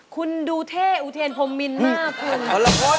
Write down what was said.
คุณดูเท่อูเทนผมมินมากคือนั่นละคน